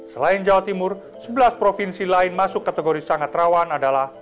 selain jawa timur sebelas provinsi lain masuk kategori sangat rawan adalah